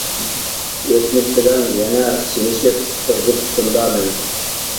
ئۆتمۈش بىلەن يەنە سىنىشىپ، بىر جۈپ پۇتۇمدا مېڭىپ.